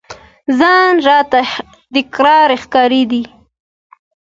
ځان راته تکړه ښکارېدی !